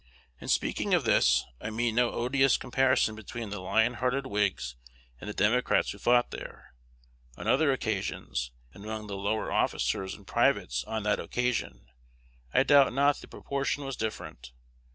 In speaking of this, I mean no odious comparison between the lion hearted Whigs and Democrats who fought there. On other occasions, and among the lower officers and privates on that occasion, I doubt not the proportion was different.